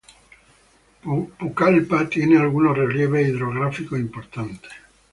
Pucallpa tiene algunos relieves hidrográficos importantes.